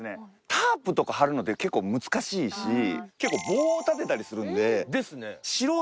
タープとか張るのって結構難しいし結構棒を立てたりするので素人の人って難しいんですよ。